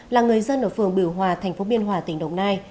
là người dân ở phường biểu hòa thành phố biên hòa tỉnh đồng nai